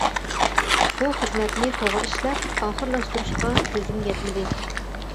بۇ خىزمەتنى توغرا ئىشلەپ ئاخىرلاشتۇرۇشقا كۈزۈم يەتمىدى.